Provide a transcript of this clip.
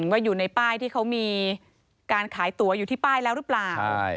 ว่าอยู่ในป้ายที่เขามีการขายตัวอยู่ที่ป้ายแล้วหรือเปล่า